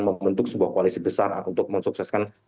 membentuk sebuah koalisi besar untuk mensukseskan